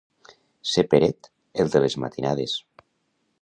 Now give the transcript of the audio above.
Ser Peret, el de les matinades.